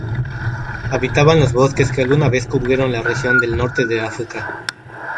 Habitaban los bosques que alguna vez cubrieron la región del norte de África.